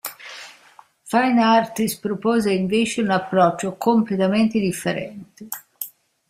Fine Artist propose invece un approccio completamente differente.